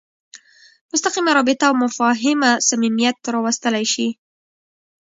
مستقیمه رابطه او مفاهمه صمیمیت راوستلی شي.